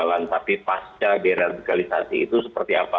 masalahnya juga dengan pasca diradikalisasi seperti apa